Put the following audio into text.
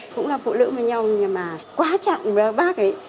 cũng là phụ nữ với nhau nhưng mà quá chặn với bác ấy